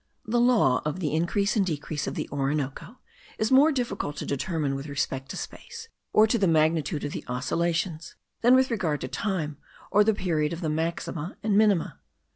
The law of the increase and decrease of the Orinoco is more difficult to determine with respect to space, or to the magnitude of the oscillations, than with regard to time, or the period of the maxima and minima.